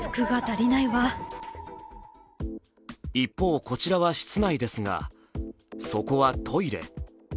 一方こちらは室内ですが、そこはトイレ。